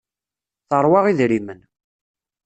Teṛwa idrimen.